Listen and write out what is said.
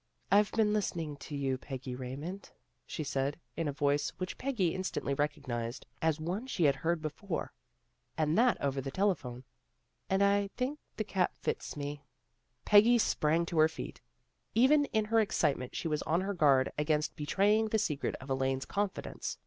I've been listening to you, Peggy Ray mond," she said, hi a voice which Peggy in stantly recognized as one she had heard be fore, and that over the telephone. " And I think the cap fits me." Peggy sprang to her feet. Even in her ex citement she was on her guard against be traying the secret of Elaine's confidence.